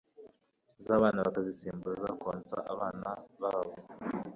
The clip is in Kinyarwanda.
zabana bakazisimbuza konsa abana babo